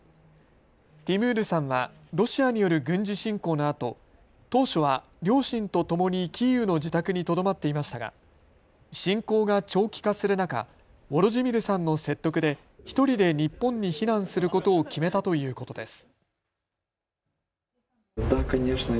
ティムールさんはロシアによる軍事侵攻のあと、当初は両親とともにキーウの自宅にとどまっていましたが侵攻が長期化する中、ウォロジミルさんの説得で１人で日本に避難することを決めたということです。